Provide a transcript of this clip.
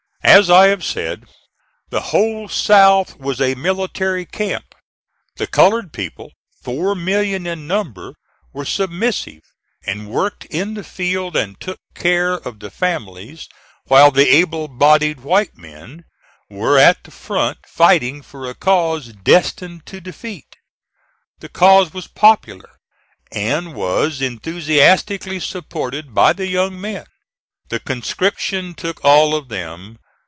As I have said, the whole South was a military camp. The colored people, four million in number, were submissive, and worked in the field and took care of the families while the able bodied white men were at the front fighting for a cause destined to defeat. The cause was popular, and was enthusiastically supported by the young men. The conscription took all of them.